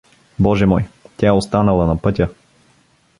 — Боже мой, тя е останала на пътя!